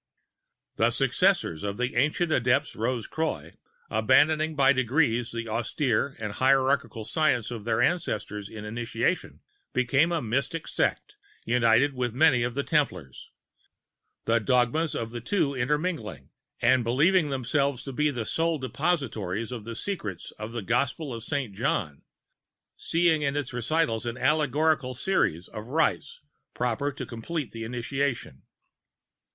] "The Successors of the Ancient Adepts Rose Croix, abandoning by degrees the austere and hierarchial Science of their Ancestors in initiation, became a Mystic Sect, united with many of the Templars, the dogmas of the two intermingling, and believed themselves to be the sole depositaries of the secrets of the Gospel of St. John, seeing in its recitals an allegorical series of rites proper to complete the initiation.